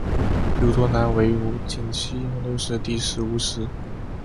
刘图南为武进西营刘氏第十五世。